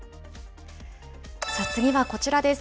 次はこちらです。